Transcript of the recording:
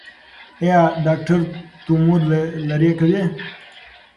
ایا ډاکټر تومور لرې کوي؟